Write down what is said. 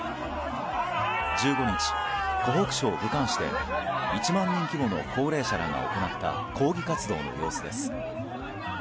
１５日、湖北省武漢市で１万人規模の高齢者らが行った抗議活動の様子です。